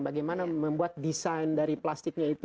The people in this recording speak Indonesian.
bagaimana membuat desain dari plastiknya itu